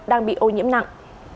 đang bị ô nhiễm nặng